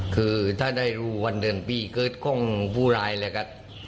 คือถ้าได้รู้วันเดือนปีเกิดของผู้ร้ายเลยครับ